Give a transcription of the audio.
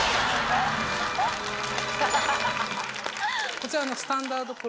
こちら。